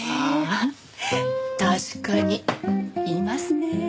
ああ確かにいますね。